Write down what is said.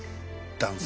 男性。